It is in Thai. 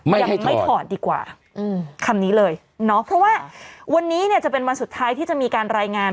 ยังไม่ถอดดีกว่าคำนี้เลยเนาะเพราะว่าวันนี้เนี่ยจะเป็นวันสุดท้ายที่จะมีการรายงาน